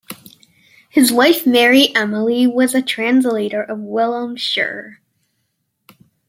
His wife Mary Emily was a translator of Wilhelm Scherer.